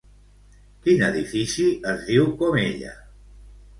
Quin edifici es diu com ella?